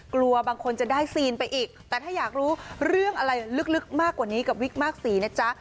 กลัวบางคนจะได้ซีนไปอีกแต่ถ้าอยากรู้เรื่องอะไรลึกมากกว่านี้กับวิกมากสีนะจ๊ะ